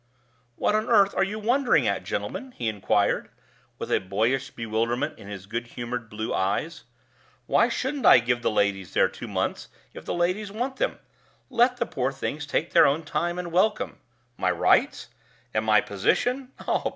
"What on earth are you wondering at, gentlemen?" he inquired, with a boyish bewilderment in his good humored blue eyes. "Why shouldn't I give the ladies their two months, if the ladies want them? Let the poor things take their own time, and welcome. My rights? and my position?